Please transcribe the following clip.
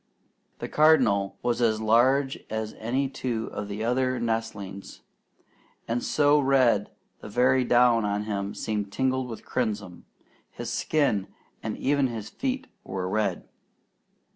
The Cardinal was as large as any two of the other nestlings, and so red the very down on him seemed tinged with crimson; his skin and even his feet were red.